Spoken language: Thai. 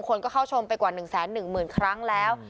คนก็เข้าชมไปกว่าหนึ่งแสนหนึ่งหมื่นครั้งแล้ว